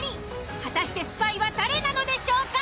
果たしてスパイは誰なのでしょうか？